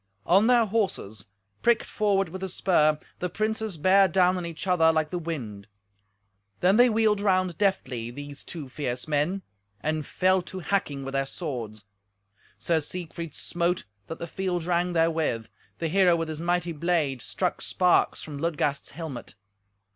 On their horses, pricked forward with the spur, the princes bare down on each other like the wind. Then they wheeled round deftly—these two fierce men—and fell to hacking with their swords. Sir Siegfried smote, that the field rang therewith; the hero with his mighty blade struck sparks from Ludgast's helmet.